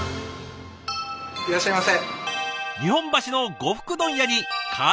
いらっしゃいませ。